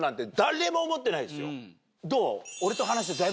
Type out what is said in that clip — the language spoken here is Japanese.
どう？